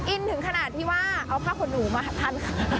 อินถึงขนาดที่ว่าเอาผ้าขนหนูมาทัน